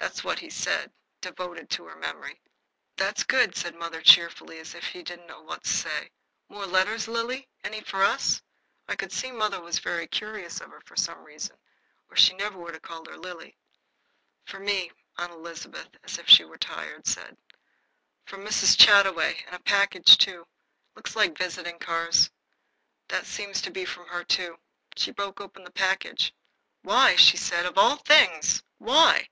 That's what he said devoted to her memory." "That's good," said mother, cheerfully, as if she didn't know quite what to say. "More letters, Lily? Any for us?" I could see mother was very tender of her for some reason, or she never would have called her Lily. "For me," said Aunt Elizabeth, as if she were tired. "From Mrs. Chataway. A package, too. It looks like visiting cards. That seems to be from her, too." She broke open the package. "Why!" said she, "of all things! Why!"